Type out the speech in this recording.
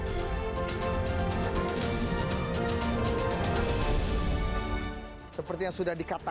diapresiasi kinerja para penyelenggara